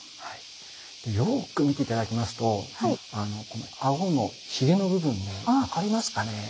よく見て頂きますとこの顎のヒゲの部分分かりますかね？